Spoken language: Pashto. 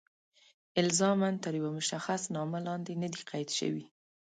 الزاماً تر یوه مشخص نامه لاندې نه دي قید شوي.